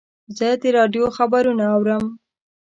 زه د راډیو خبرونه اورم.